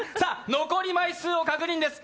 残り枚数を確認です